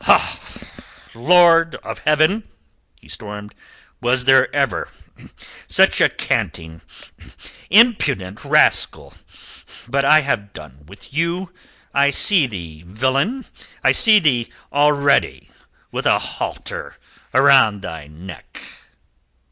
"Lord of Heaven!" he stormed. "Was there ever such a canting, impudent rascal? But I have done with you. I see thee, villain, I see thee already with a halter round thy neck."